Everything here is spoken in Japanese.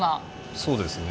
そうですね。